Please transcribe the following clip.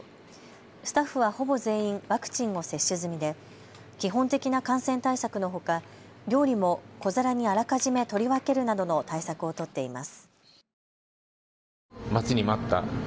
スタッフはほぼ全員ワクチンを接種済みで基本的な感染対策のほか、料理も小皿にあらかじめ取り分けるなどの対策を取っています。